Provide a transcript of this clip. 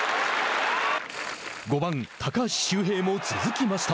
５番高橋周平も続きました。